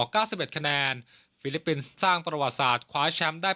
เก้าสิบเอ็ดคะแนนฟิลิปปินส์สร้างประวัติศาสตร์คว้าแชมป์ได้